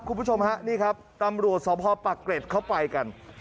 คุณผู้ชมฮะนี่ครับตำรวจสพปักเกร็ดเขาไปกัน